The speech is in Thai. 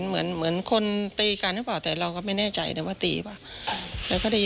แต่เราก็ไม่รู้ใครเป็นใคร